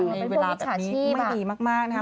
ในเวลาแบบนี้ไม่ดีมากนะคะ